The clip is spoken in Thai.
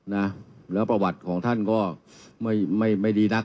นะแล้วประวัติของท่านก็ไม่ไม่ดีนัก